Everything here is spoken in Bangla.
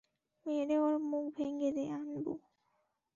মেরে ওর মুখ ভেঙ্গে দে, আনবু!